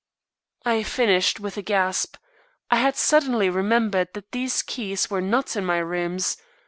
I finished with a gasp. I had suddenly remembered that these keys were not in my rooms.